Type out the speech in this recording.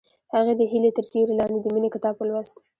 هغې د هیلې تر سیوري لاندې د مینې کتاب ولوست.